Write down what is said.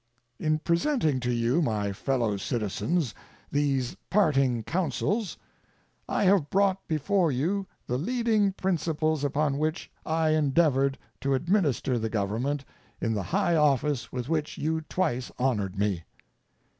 In presenting to you, my fellow citizens, these parting counsels, I have brought before you the leading principles upon which I endeavored to administer the Government in the high office with which you twice honored me.